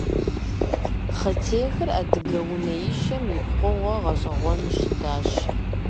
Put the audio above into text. Хъытехыр адыгэ унэишэм и пкъыгъуэ гъэщӀэгъуэну щытащ.